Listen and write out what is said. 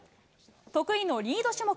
得意のリード種目。